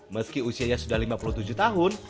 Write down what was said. meski usianya sudah lima puluh tujuh tahun